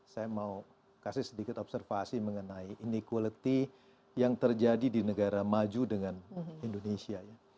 saya mau kasih sedikit observasi mengenai ini quality yang terjadi di negara maju dengan indonesia